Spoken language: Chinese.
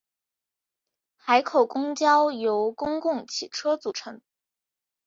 海口公交由公共汽车组成。